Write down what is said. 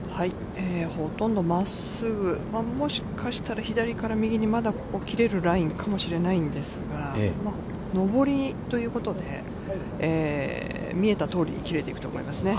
ほとんど真っすぐ、もしかしたら左から右にまだ切れるラインかもしれないんですが、上りということで、見えたとおりに切れていくと思いますね。